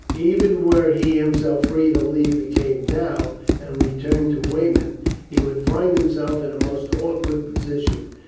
Even were he himself free to leave the cave now and return to Weymouth, he would find himself in a most awkward position.